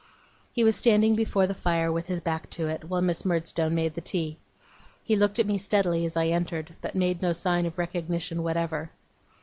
He was standing before the fire with his back to it, while Miss Murdstone made the tea. He looked at me steadily as I entered, but made no sign of recognition whatever.